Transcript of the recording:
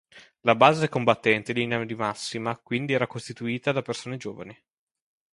La base combattente in linea di massima quindi era costituita da persone giovani.